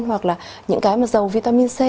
hoặc là những cái mà giàu vitamin c